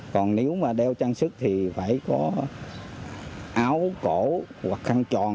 còn nếu mà đeo trang sức thì phải có áo cổ hoặc khăn tròn